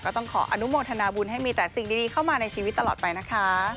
ต้องขออนุโมทนาบุญให้มีแต่สิ่งดีเข้ามาในชีวิตตลอดไปนะคะ